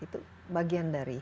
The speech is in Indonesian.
itu bagian dari